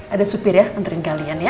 ada supir ya nganterin kalian ya